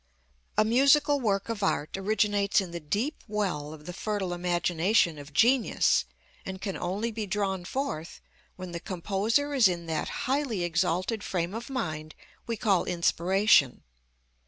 A musical work of art originates in the deep well of the fertile imagination of genius, and can only be drawn forth when the composer is in that highly exalted frame of mind we call inspiration.